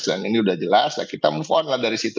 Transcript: ini sudah jelas kita move on lah dari situ